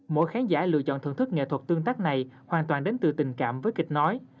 mỗi khán giả lựa chọn thưởng thức nghệ thuật tương tác này hoàn toàn đến từ tình cảm với kịch nói